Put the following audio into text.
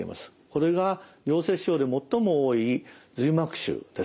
これが良性腫瘍で最も多い髄膜腫です。